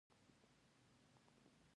د هرات د موسیلا د تیموري دورې شاهکار دی